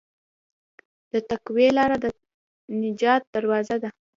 د تقوی لاره د نجات دروازه ده.